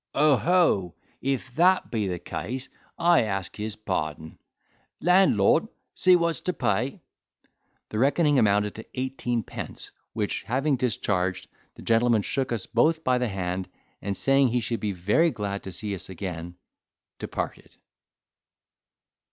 "Oh ho! if that be the case, I ask his pardon. Landlord, see what's to pay." The reckoning amounted to eighteenpence, which, having discharged, the gentleman shook us both by the hand, and, saying he should be very glad to see us again, departed.